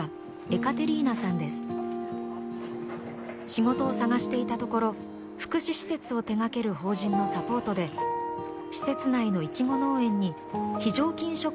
仕事を探していたところ福祉施設を手掛ける法人のサポートで施設内のいちご農園に非常勤職員として就職することができました。